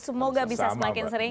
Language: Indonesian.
semoga bisa semakin sering